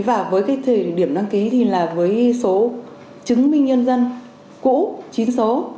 và với cái thời điểm đăng ký thì là với số chứng minh nhân dân cũ chín số